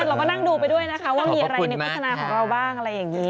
เราก็นั่งดูไปด้วยนะคะว่ามีอะไรในโฆษณาของเราบ้างอะไรอย่างนี้